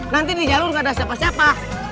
nanti di jalur harus ada siapa siapa